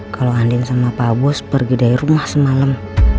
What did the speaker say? kalo andin sama pabos pergi dari rumah semalam